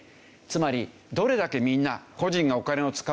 つまりどれだけみんな。